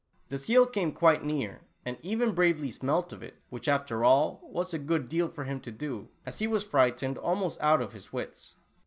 The seal came quite near, and even bravely smelt of it, which, after all, was a good deal for him to do, as he was frightened al most out of his wits.